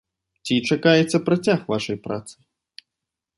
Ці чакаецца працяг вашай працы?